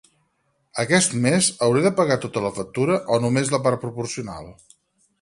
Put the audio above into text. Aquest més hauré de pagar tota la factura, o només la part proporcional?